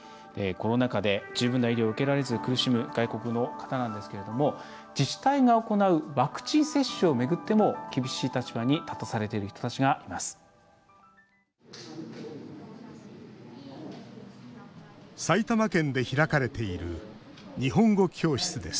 この中で十分な医療を受けられず苦しむ外国の方なんですけれども自治体が行うワクチン接種を巡っても厳しい立場に立たされている人たちがいます。